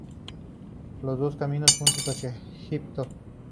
Los dos caminan juntos hacia Hilltop.